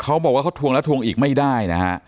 เขาบอกว่าเขาทวงแล้วทวงอีกไม่ได้นะฮะ